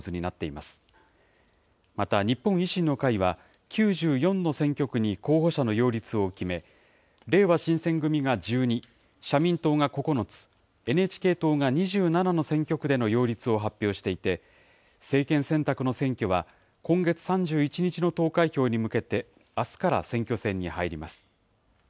また日本維新の会は、９４の選挙区に候補者の擁立を決め、れいわ新選組が１２、社民党が９つ、ＮＨＫ党が２７の選挙区での擁立を発表していて、政権選択の選挙は今月３１日の投開票に向けて、あすから選挙戦に入ります。